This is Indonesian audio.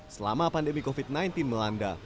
selama pandemi covid sembilan belas melanda